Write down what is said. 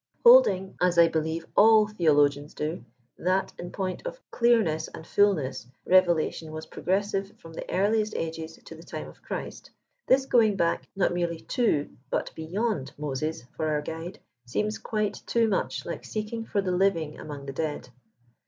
Holding, as I be* lieve all theologians do, that in point of clearness and fulnegs, revelation was progressive from the earliest ages to the time of Christ, this going back not merely to, but beyond Moses for our guide, seems quite too much like seeking for the living among the dead.